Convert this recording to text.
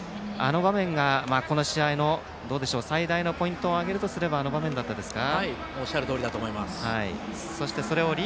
この試合の最大のポイントを挙げるとすればあの場面だったですか。